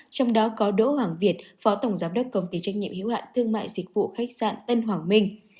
trong đó có đỗ hoàng việt phó tổng giám đốc công ty trách nhiệm hiếu hạn thương mại dịch vụ khách sạn tân hoàng minh